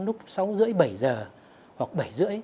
ăn lúc sáu rưỡi bảy giờ hoặc bảy rưỡi